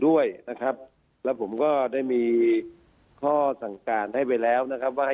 ด้วยนะครับแล้วผมก็ได้มีข้อสั่งการให้ไปแล้วนะครับว่าให้